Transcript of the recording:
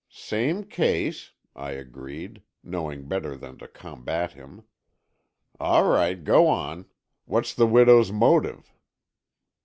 "Same case," I agreed, knowing better than to combat him. "All right, go on. What's the widow's motive?"